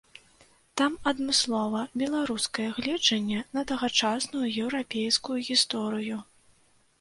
Там адмыслова беларускае гледжанне на тагачасную еўрапейскую гісторыю.